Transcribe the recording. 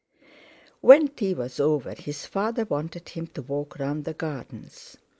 When tea was over his father wanted him to walk round the gardens.